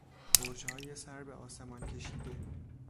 برجهای سر به آسمان کشیده